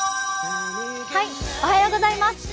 おはようございます。